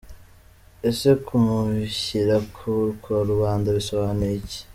Ese kumushyira ku karubanda bisobanuye iki?.